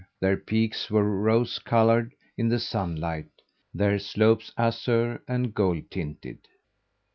Their peaks were rose coloured in the sunlight, their slopes azure and gold tinted.